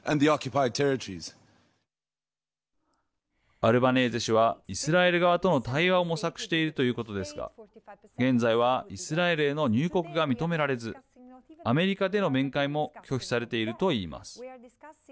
アルバネーゼ氏はイスラエル側との対話を模索しているということですが現在はイスラエルへの入国が認められずアメリカでの面会も拒否されていると言います。